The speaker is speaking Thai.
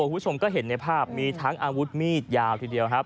คุณผู้ชมก็เห็นในภาพมีทั้งอาวุธมีดยาวทีเดียวครับ